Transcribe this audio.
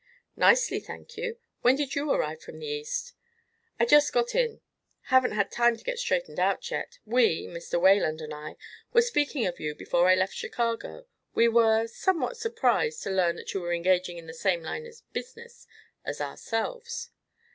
"Nicely, thank you. When did you arrive from the East?" "I just got in. Haven't had time to get straightened out yet. We Mr. Wayland and I were speaking of you before I left Chicago. We were somewhat surprised to learn that you were engaging in the same line of business as ourselves."